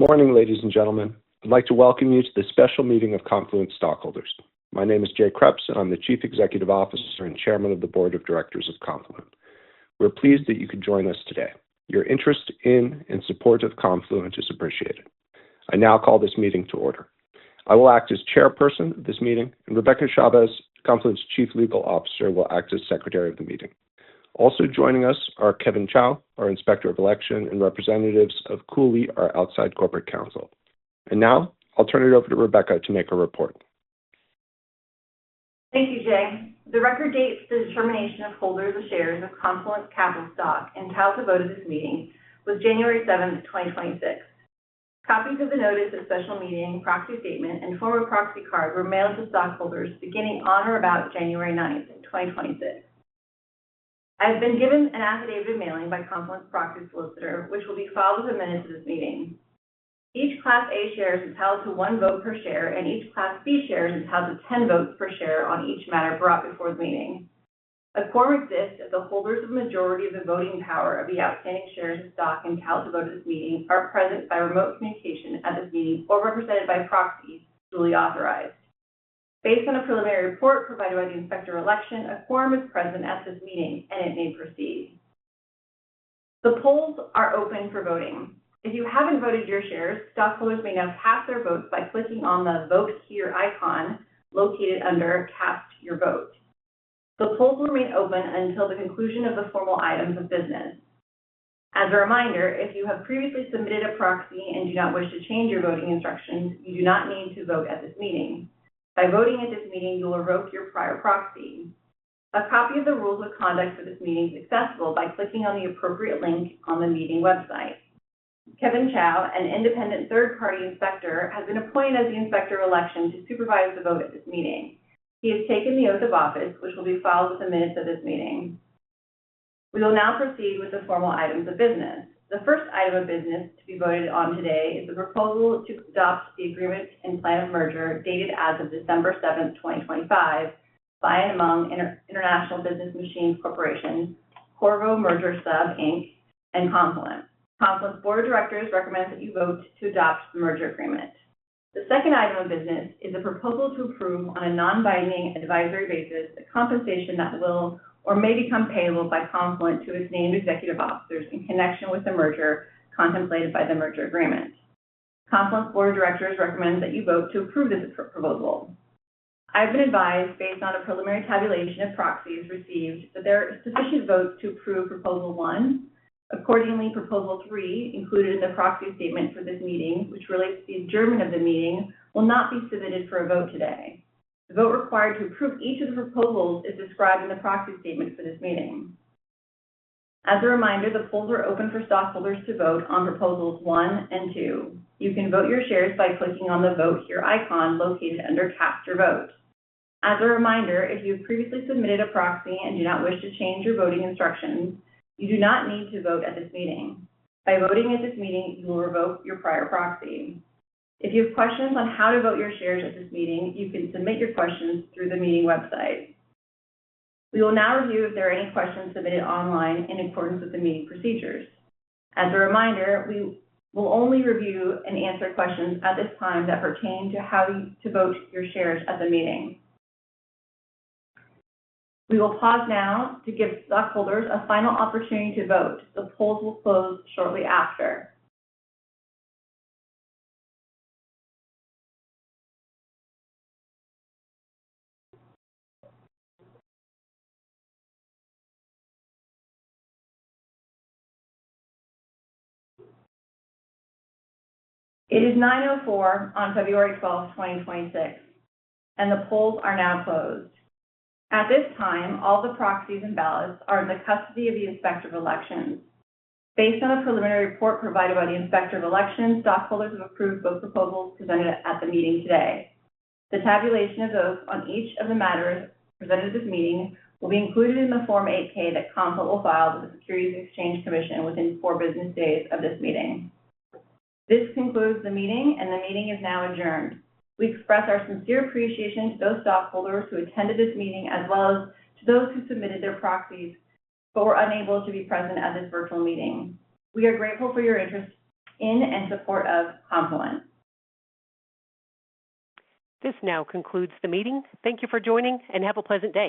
Good morning, ladies and gentlemen. I'd like to welcome you to this special meeting of Confluent stockholders. My name is Jay Kreps, and I'm the Chief Executive Officer and Chairman of the Board of Directors of Confluent. We're pleased that you could join us today. Your interest in and support of Confluent is appreciated. I now call this meeting to order. I will act as chairperson of this meeting, and Rebecca Chavez, Confluent's Chief Legal Officer, will act as Secretary of the meeting. Also joining us are Kevin Chow, our Inspector of Election, and representatives of Cooley, our outside Corporate Counsel. Now I'll turn it over to Rebecca to make a report. Thank you, Jay. The record date for the determination of holders of shares of Confluent's Capital Stock entitled to vote at this meeting was January 7, 2026. Copies of the Notice of Special Meeting, Proxy Statement, and form of proxy card were mailed to stockholders beginning on or about January 9, 2026. I have been given an affidavit of mailing by Confluent's proxy solicitor which will be filed as amendments to this meeting. Each Class A share is entitled to one vote per share, and each Class B share is entitled to 10 votes per share on each matter brought before the meeting. A quorum exists if the holders of a majority of the voting power of the outstanding shares of stock entitled to vote at this meeting are present by remote communication at this meeting or represented by proxies duly authorized. Based on a preliminary report provided by the Inspector of Election, a quorum is present at this meeting, and it may proceed. The polls are open for voting. If you haven't voted your shares, stockholders may now cast their votes by clicking on the "Vote Here" icon located under Cast Your Vote. The polls will remain open until the conclusion of the formal items of business. As a reminder, if you have previously submitted a proxy and do not wish to change your voting instructions, you do not need to vote at this meeting. By voting at this meeting, you will revoke your prior proxy. A copy of the rules of conduct for this meeting is accessible by clicking on the appropriate link on the meeting website. Kevin Chow, an independent third-party inspector, has been appointed as the Inspector of Election to supervise the vote at this meeting. He has taken the oath of office, which will be filed with the minutes of this meeting. We will now proceed with the formal items of business. The first item of business to be voted on today is a proposal to adopt the Agreement and Plan of Merger dated as of December 7, 2025, by and among International Business Machines Corporation, Corvo Merger Sub Inc., and Confluent. Confluent's board of directors recommends that you vote to adopt the merger agreement. The second item of business is a proposal to approve, on a non-binding advisory basis, the compensation that will or may become payable by Confluent to its named executive officers in connection with the merger contemplated by the Merger Agreement. Confluent's board of directors recommends that you vote to approve this proposal. I've been advised, based on a preliminary tabulation of proxies received, that there are sufficient votes to approve Proposal One. Accordingly, Proposal Three, included in the Proxy Statement for this meeting, which relates to the adjournment of the meeting, will not be submitted for a vote today. The vote required to approve each of the proposals is described in the Proxy Statement for this meeting. As a reminder, the polls are open for stockholders to vote on Proposals One and Two. You can vote your shares by clicking on the "Vote Here" icon located under Cast Your Vote. As a reminder, if you've previously submitted a proxy and do not wish to change your voting instructions, you do not need to vote at this meeting. By voting at this meeting, you will revoke your prior proxy. If you have questions on how to vote your shares at this meeting, you can submit your questions through the meeting website. We will now review if there are any questions submitted online in accordance with the meeting procedures. As a reminder, we will only review and answer questions at this time that pertain to how to vote your shares at the meeting. We will pause now to give stockholders a final opportunity to vote. The polls will close shortly after. It is 9:04 on February 12, 2026, and the polls are now closed. At this time, all the proxies and ballots are in the custody of the Inspector of Elections. Based on a preliminary report provided by the Inspector of Elections, stockholders have approved both proposals presented at the meeting today. The tabulation of votes on each of the matters presented at this meeting will be included in the Form 8-K that Confluent will file with the Securities and Exchange Commission within four business days of this meeting. This concludes the meeting, and the meeting is now adjourned. We express our sincere appreciation to those stockholders who attended this meeting, as well as to those who submitted their proxies but were unable to be present at this virtual meeting. We are grateful for your interest in and support of Confluent. This now concludes the meeting. Thank you for joining and have a pleasant day.